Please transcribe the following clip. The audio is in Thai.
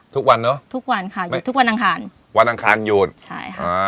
ทุกวันเนอะทุกวันค่ะหยุดทุกวันอังคารวันอังคารหยุดใช่ค่ะอ่า